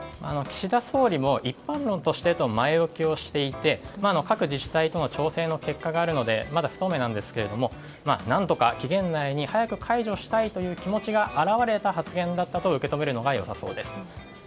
岸田総理も一般論としてと前置きをしていて各自治体との調整の結果があるのでまだ不透明なんですが何とか期限内に早く解除したいという気持ちが表れた発言だったと受け止めるのがよさそうです。